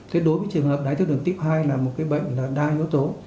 thế đối với trường hợp đai tháo đường tích hai là một cái bệnh là đa yếu tố